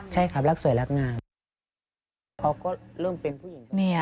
ใช่ครับรักสวยรักงาม